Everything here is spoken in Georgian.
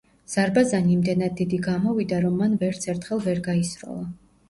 ზარბაზანი იმდენად დიდი გამოვიდა, რომ მან ვერც ერთხელ ვერ გაისროლა.